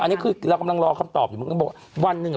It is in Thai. อันนี้คือเรากำลังรอคำตอบอยู่มันก็บอกว่าวันหนึ่งอ่ะ